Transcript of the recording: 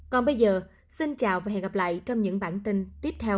còn bây giờ xin chào và hẹn gặp lại trong những bản tin tiếp theo